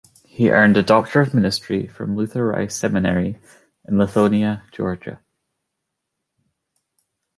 He earned a Doctor of Ministry from Luther Rice Seminary in Lithonia, Georgia.